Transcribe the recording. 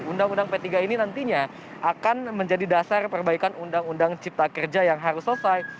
undang undang p tiga ini nantinya akan menjadi dasar perbaikan undang undang cipta kerja yang harus selesai